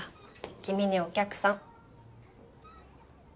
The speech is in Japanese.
君にお客さん。